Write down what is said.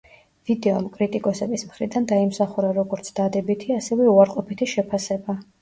ვიდეომ კრიტიკოსების მხრიდან დაიმსახურა როგორც დადებითი ასევე უარყოფითი შეფასება.